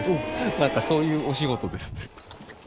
なんかそういうお仕事です。